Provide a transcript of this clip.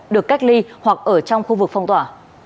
được cách ly hoặc ở trong khu vực phong tỏa